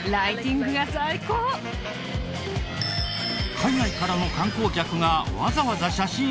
海外からの観光客がわざわざ写真を撮りに来る。